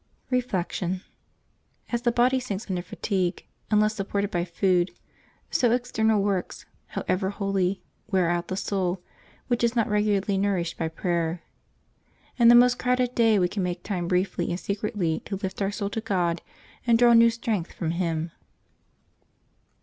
Reflection. — As the body sinks under fatigue unless supported by food, so external works, however holy, wear out the soul which is not regularly nourished by prayer. In the most crowded day we can make time briefly and secretly to lift our soul to God and draw new strength from Him.